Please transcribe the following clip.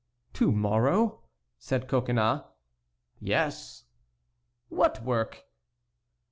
"To morrow?" said Coconnas. "Yes." "What work?"